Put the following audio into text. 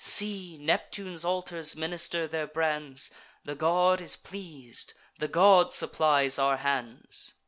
See! Neptune's altars minister their brands: The god is pleas'd; the god supplies our hands."